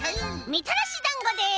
みたらしだんごです。